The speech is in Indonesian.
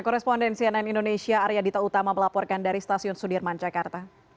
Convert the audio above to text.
korespondensi ann indonesia arya dita utama melaporkan dari stasiun sudirman jakarta